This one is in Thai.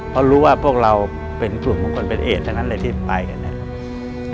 เพราะรู้ว่าพวกเราเป็นกลุ่มของคนเป็นเอกทั้งนั้นเลยที่ไปกันนะครับ